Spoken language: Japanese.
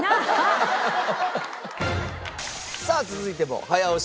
さあ続いても早押し問題です。